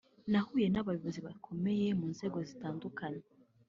nahuye n’abayobozi bakomeye mu nzego zitandukanye